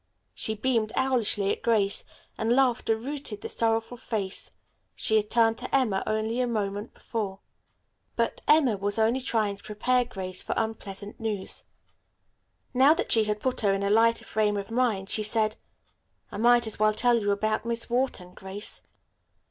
She beamed owlishly at Grace, and laughter routed the sorrowful face she had turned to Emma only a moment before. But Emma was only trying to prepare Grace for unpleasant news. Now that she had put her in a lighter frame of mind, she said: "I might as well tell you about Miss Wharton, Grace."